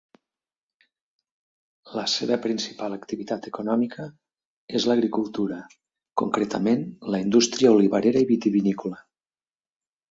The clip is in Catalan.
La seva principal activitat econòmica és l'agricultura, concretament la indústria olivarera i vitivinícola.